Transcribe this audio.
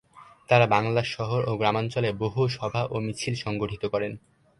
তাঁরা বাংলার শহর ও গ্রামাঞ্চলে বহু সভা ও মিছিল সংগঠিত করেন।